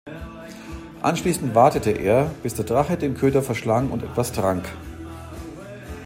Anschließend wartete er, bis der Drache den Köder verschlang und etwas trank.